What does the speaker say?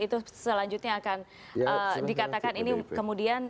itu selanjutnya akan dikatakan ini kemudian